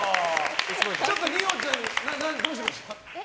ちょっと二葉ちゃんどうしました？